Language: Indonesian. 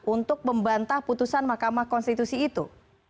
untuk membantah putusan mahkamah konstitusi itu